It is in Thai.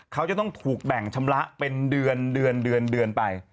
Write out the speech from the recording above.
เขาจะต้องถูกแบ่งชำระเป็นเดือนเดือนไป